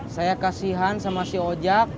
saya kasihan sama si oja